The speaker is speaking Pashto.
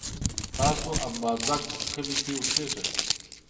تاسو اببازک کلي کی اوسیږئ؟